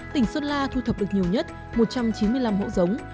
tỉnh xuân la thu thập được nhiều nhất một trăm chín mươi năm mẫu giống